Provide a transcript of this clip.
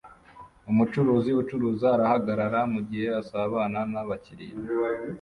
Umucuruzi ucuruza arahagarara mugihe asabana nabakiriya